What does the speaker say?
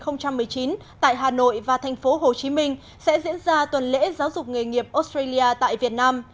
năm hai nghìn một mươi chín tại hà nội và thành phố hồ chí minh sẽ diễn ra tuần lễ giáo dục nghề nghiệp australia tại việt nam